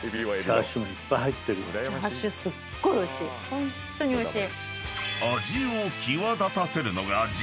ホントにおいしい。